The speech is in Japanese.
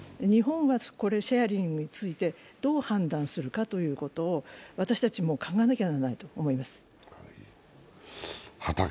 日本はシェアリングについて、どう判断するかということを私たちも考えなきゃならないと思います。